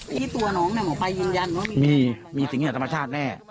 ที่ตัวน้องเนี่ยหมอปลายืนยันว่ามีมีสิ่งอย่างธรรมชาติแน่